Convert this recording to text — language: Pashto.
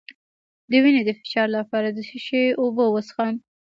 د وینې د فشار لپاره د څه شي اوبه وڅښم؟